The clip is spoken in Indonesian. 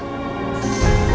yang bisa memperbaiki